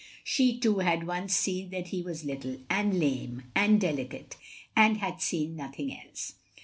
She too had once seen that he was Kttle, and lame, and delicate — ^and had seen nothing else.